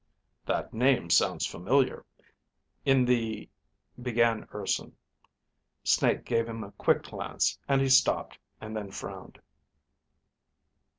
"That name sounds familiar; in the ..." began Urson. Snake gave him a quick glance, and he stopped, and then frowned.